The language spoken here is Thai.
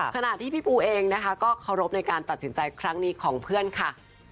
ขณะที่พี่ปูเองนะคะก็เคารพในการตัดสินใจครั้งนี้ของเพื่อนค่ะ